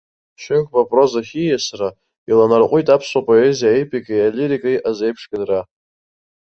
Шьынқәба апрозахь ииасра иланарҟәит аԥсуа поезиа аепикеи алирикеи азеиԥш гыдра.